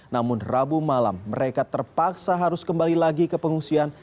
namun rabu malam mereka terpaksa harus kembali lagi ke pengungsian